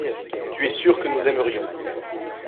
Tu es sûr que nous aimerions.